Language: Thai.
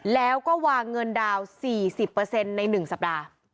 แล้วก็วางเงินดาวน์๔๐ใน๑สัปดาห์